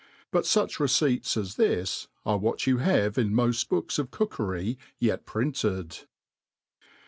But fach receipts as this are what you have in moft books of cookery yet printed.